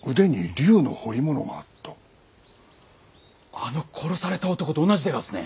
あの殺された男と同じでがすね。